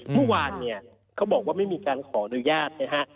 เมื่อวานเนี่ยเขาบอกว่าไม่มีการขออนุญาตนะฮะ